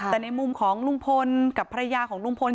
แต่ในมุมของลุงพลกับภรรยาของลุงพล